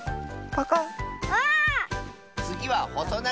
パカッ。